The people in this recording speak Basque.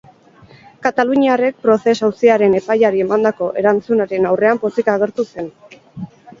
Kataluniarrek proces auziaren epaiari emandako erantzunaren aurrean pozik agertu zen.